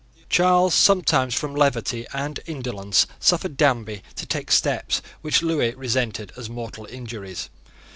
Charles sometimes, from levity and indolence, suffered Danby to take steps which Lewis resented as mortal injuries.